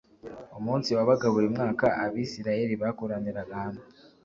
Umunsi wabaga buri mwaka Abisirayeli bakoraniraga hamwe